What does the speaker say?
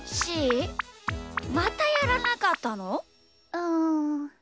うん。